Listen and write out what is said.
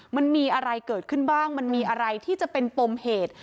มันมีอะไรเกิดขึ้นบ้างมันมีอะไรที่จะเป็นปมเหตุ